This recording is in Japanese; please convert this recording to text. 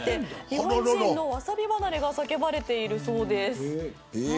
日本人のワサビ離れが叫ばれているそうです。